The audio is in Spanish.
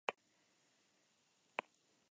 Sereno "et al".